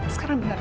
sekarang benar ya